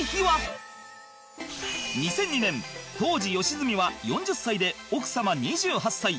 ２００２年当時良純は４０歳で奥様２８歳